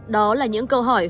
đó là những câu hỏi